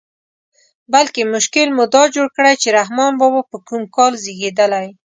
بلکې مشکل مو دا جوړ کړی چې رحمان بابا په کوم کال زېږېدلی.